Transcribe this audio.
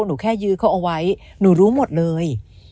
หนูแค่ยื้อเขาเอาไว้หนูรู้หมดเลย